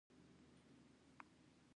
یوټوبر دې د خلکو غږ نه پلوري.